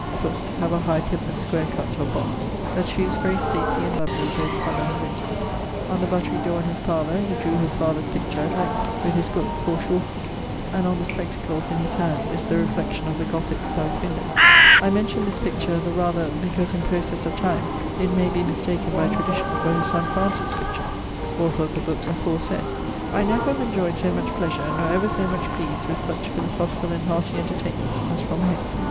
foot have a high pillar (square cutt) of box, that shewes very stately and lovely both summer and winter. On the buttery dore in his parlour he drew his father's picture at length, with his booke (fore shortned), and on the spectacles in his hand is the reflection of the Gothique south windowe. I mention this picture the rather, because in processe of time it may be mistaken by tradition for his son Francis's picture, author of the booke aforesayd. I never have enjoyed so much pleasure, nor ever so much pleased with such philosophicall and heartie entertainment as from him.